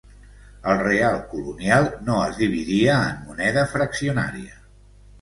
El real colonial no es dividia en moneda fraccionària.